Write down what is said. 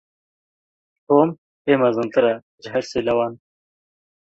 Tom ê mezintir e ji her sê lawan.